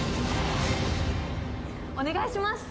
お願いします